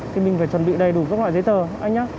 thì mình phải chuẩn bị đầy đủ các loại giấy tờ anh nhé